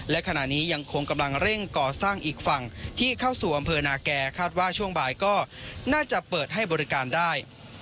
และขณะนี้ยังคงกำลังเร่งก่อสร้างอีกฝั่งที่เข้าสู่อำเภอนาแก่คาดว่าช่วงบ่ายก็น่าจะเปิดให้บริการได้